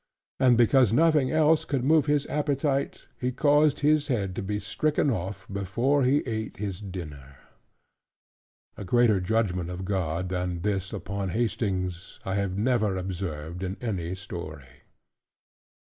And because nothing else could move his appetite, he caused his head to be stricken off, before he ate his dinner. A greater judgment of God than this upon Hastings, I have never observed in any story.